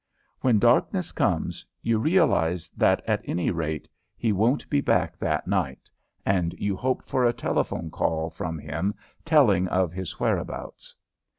When darkness comes you realize that, at any rate, he won't be back that night, and you hope for a telephone call from him telling of his whereabouts.